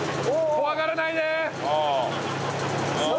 怖がらないでよ！